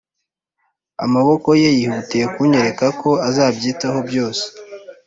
amaboko ye yihutiye kunyereka ko azabyitaho byose.